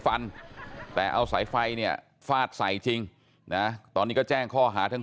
ฟันแต่เอาสายไฟเนี่ยฟาดใส่จริงนะตอนนี้ก็แจ้งข้อหาทั้ง